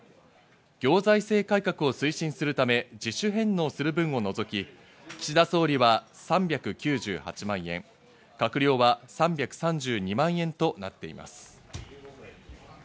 行財政改革を推進するため自主返納する分を除き、岸田総理は３９８万円、閣僚は３３２万円となっています。